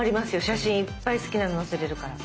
写真いっぱい好きなの載せれるから。